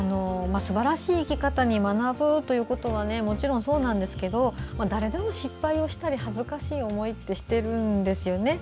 すばらしい生き方に学ぶということはもちろんそうなんですけど誰でも失敗をしたり恥ずかしい思いをしているんですよね。